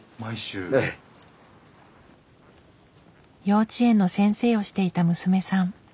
幼稚園の先生をしていた娘さん。